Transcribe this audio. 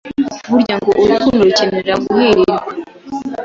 Burya ngo urukundo rukenera kuhirirwa